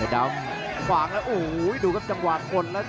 อื้อหือจังหวะขวางแล้วพยายามจะเล่นงานด้วยซอกแต่วงใน